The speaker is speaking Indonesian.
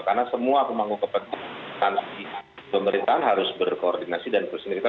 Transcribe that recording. karena semua pemangku kepentingan pemerintahan harus berkoordinasi dan bersenjata